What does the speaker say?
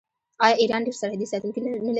آیا ایران ډیر سرحدي ساتونکي نلري؟